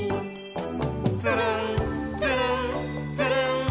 「つるんつるんつるん」